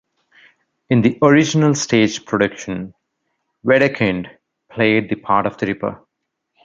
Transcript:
In the original stage production, Wedekind played the part of the Ripper.